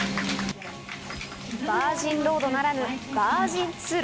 バージンロードならぬバージン通路。